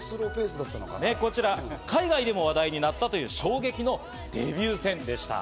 こちら、海外でも話題になったという衝撃のデビュー戦でした。